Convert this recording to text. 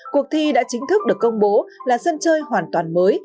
cuộc thi đã chính thức được công bố là sân chơi hoàn toàn mới